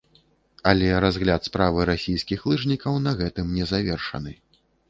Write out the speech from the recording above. Але разгляд справы расійскіх лыжнікаў на гэтым не завершаны.